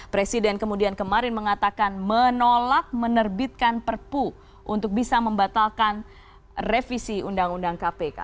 presiden kemudian kemarin mengatakan menolak menerbitkan perpu untuk bisa membatalkan revisi undang undang kpk